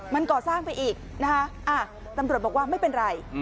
มันก่อสร้างไปอีกนะคะตำรวจบอกว่าไม่เป็นไร